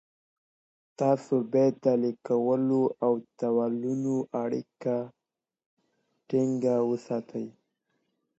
تاسو بايد د ليکوال او ټولني اړيکه ټينګه وساتئ.